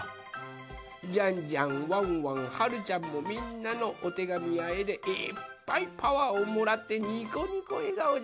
ジャンジャンワンワンはるちゃんもみんなのおてがみやえでいっぱいパワーをもらってにこにこえがおじゃ。